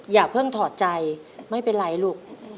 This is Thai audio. อย่าเพิ่งถอดใจไม่เป็นไรลูก